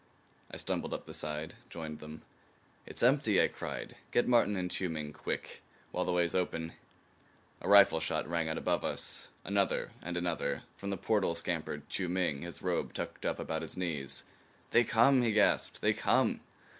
I stumbled up the side; joined them. "It's empty," I cried. "Get Martin and Chiu Ming quick! While the way's open " A rifle shot rang out above us; another and another. From the portal scampered Chiu Ming, his robe tucked up about his knees. "They come!" he gasped. "They come!"